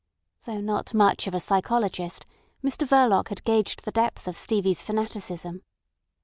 Though not much of a psychologist, Mr Verloc had gauged the depth of Stevie's fanaticism.